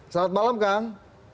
selamat malam kang